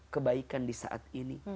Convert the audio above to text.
kebaikan di saat ini